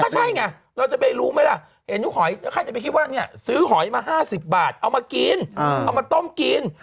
ใช่ไงเราจะไปรู้ไหมล่ะใครจะไปคิดว่าซื้อหอยมา๕๐บาทเอามากินเอามาต้มกิน